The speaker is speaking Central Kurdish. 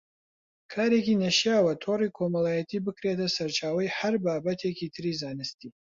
کارێکی نەشیاوە تۆڕی کۆمەڵایەتی بکرێتە سەرچاوەی هەر بابەتێکی تری زانستی